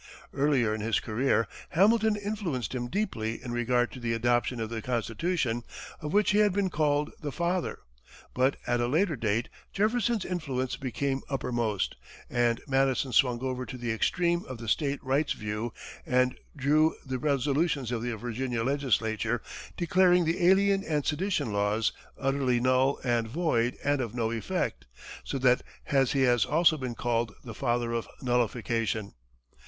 Earlier in his career, Hamilton influenced him deeply in regard to the adoption of the Constitution, of which he has been called the father. But, at a later date, Jefferson's influence became uppermost, and Madison swung over to the extreme of the state rights view, and drew the resolutions of the Virginia legislature declaring the Alien and Sedition laws "utterly null and void and of no effect," so that he has also been called the "Father of Nullification."